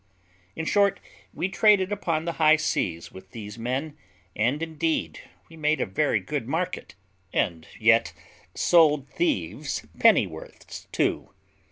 In short, we traded upon the high seas with these men, and indeed we made a very good market, and yet sold thieves' pennyworths too.